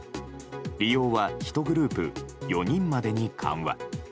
利用は１グループ４人までに緩和。